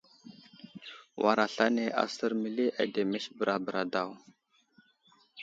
Wal aslane asər məli ademes bəra bəra daw.